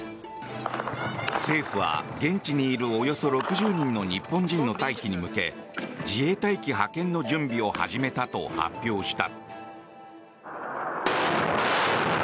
政府は現地にいるおよそ６０人の日本人の退避に向け自衛隊機派遣の準備を始めたと発表した。